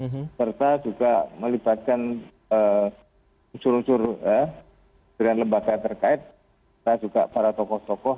hai serta juga melibatkan perusahaan untuk mau mengenal lembaga terkait juga para tokoh tokoh